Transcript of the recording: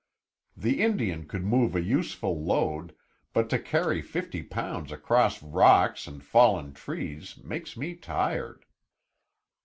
The Indian could move a useful load, but to carry fifty pounds across rocks and fallen trees makes me tired."